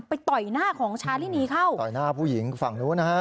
ต่อยหน้าของชาลินีเข้าต่อยหน้าผู้หญิงฝั่งนู้นนะฮะ